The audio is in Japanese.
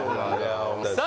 さあ